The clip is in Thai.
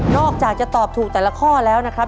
อกจากจะตอบถูกแต่ละข้อแล้วนะครับ